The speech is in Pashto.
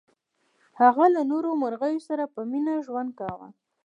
هغه له نورو مرغیو سره په مینه ژوند کاوه.